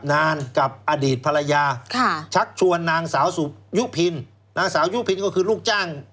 นานกับอดีตภรรยาชักชวนนางสาวสุยุพินนางสาวยุพินก็คือลูกจ้าง